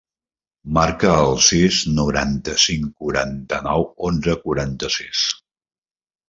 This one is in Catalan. Marca el sis, noranta-cinc, quaranta-nou, onze, quaranta-sis.